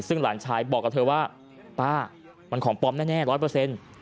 ซึ่งหลานชายบอกกับเธอว่าป้ามันของปลอมแน่๑๐๐